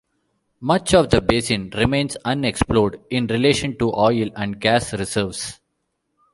Much of the basin remains unexplored in relation to oil and gas reserves.